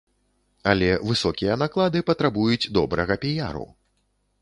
Але высокія наклады патрабуюць добрага піяру.